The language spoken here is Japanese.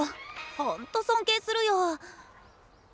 ホント尊敬するよ。